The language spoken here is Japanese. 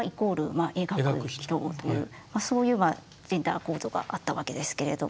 そういうジェンダー構造があったわけですけれども。